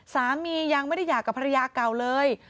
สามียังไม่ได้หย่ากับภรรยาเก่าเลย